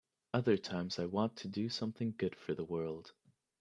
Other times I want to do something good for the world.